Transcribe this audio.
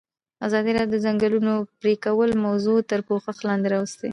ازادي راډیو د د ځنګلونو پرېکول موضوع تر پوښښ لاندې راوستې.